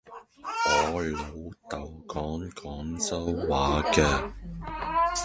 我老豆講廣州話嘅